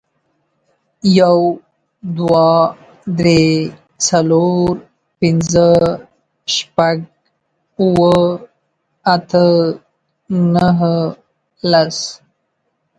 یو، دوه، درې، څلور، پنځه، شپږ، اوه، اته، نهه، لس.